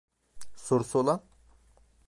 Sorusu olan?